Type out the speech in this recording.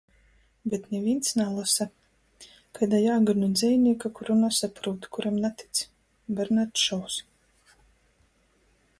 Bet nivīns nalosa. Kaida jāga nu dzejnīka, kuru nasaprūt, kuram natic? Bernards Šovs.